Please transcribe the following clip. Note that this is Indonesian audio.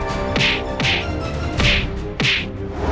ayo kita berdua